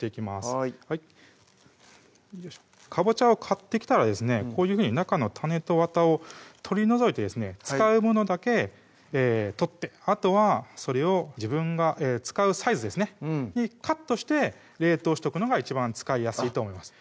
よいしょかぼちゃを買ってきたらですねこういうふうに中の種とわたを取り除いてですね使うものだけ取ってあとはそれを自分が使うサイズですねにカットして冷凍しとくのが一番使いやすいと思います